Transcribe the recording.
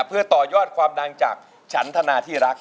เพื่อต่อยอดความดังจากฉันธนาที่รัก